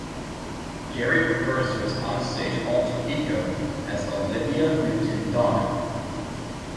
Gary refers to his onstage alter-ego as "Olivia Newton-Dawn".